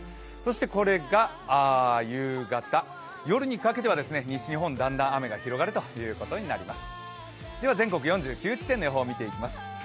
これが夕方、夜にかけては西日本、だんだん雨が広がるということになります。